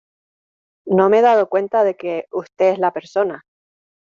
no me he dado cuenta de que usted es la persona